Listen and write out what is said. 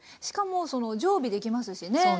しかも常備できますしね。